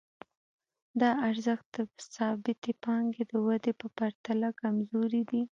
دا ارزښت د ثابتې پانګې د ودې په پرتله کمزوری دی